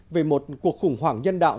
về một cuộc khủng hoảng nhân đạo